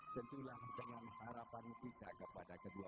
tentulah dengan harapan kita kepada kedua